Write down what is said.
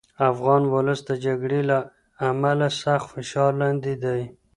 افغان ولس د جګړې له امله سخت فشار لاندې دی.